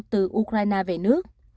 từ ukraine về nước